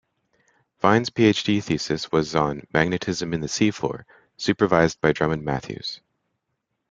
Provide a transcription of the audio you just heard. Vine's PhD thesis was on 'Magnetism in the Seafloor', supervised by Drummond Matthews.